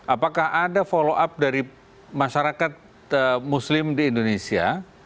apakah ada follow up dari masyarakat muslim di indonesia